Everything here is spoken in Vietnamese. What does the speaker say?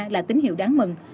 cũng đáng mừng